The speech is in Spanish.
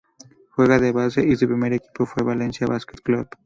Juega de Base y su primer equipo fue Valencia Basket Club.